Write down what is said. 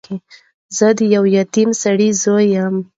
زه د یوه پتمن سړی زوی یم.